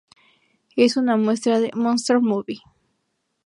Es una muestra de "monster movie".